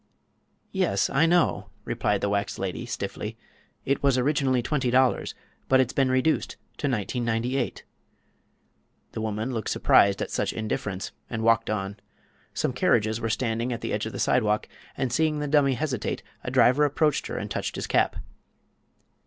"Yes, I know," replied the wax lady, stiffly; "it was originally $20, but it's been reduced to $19.98." The woman looked surprised at such indifference and walked on. Some carriages were standing at the edge of the sidewalk, and seeing the dummy hesitate a driver approached her and touched his cap.